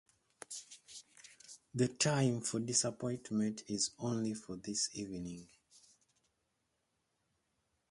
The time for disappointment is only for this evening.